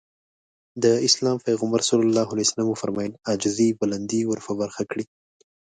د اسلام پيغمبر ص وفرمايل عاجزي بلندي ورپه برخه کړي.